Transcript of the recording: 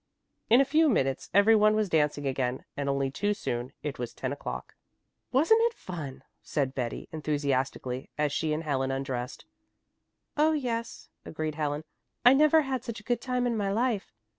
In a few minutes every one was dancing again, and only too soon it was ten o'clock. "Wasn't it fun?" said Betty enthusiastically, as she and Helen undressed. "Oh yes," agreed Helen. "I never had such a good time in my life.